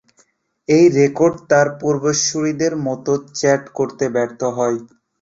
এই রেকর্ড, তার পূর্বসুরীদের মত, চার্ট করতে ব্যর্থ হয়।